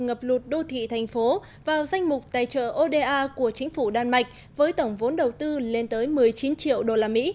ngập lụt đô thị thành phố vào danh mục tài trợ oda của chính phủ đan mạch với tổng vốn đầu tư lên tới một mươi chín triệu usd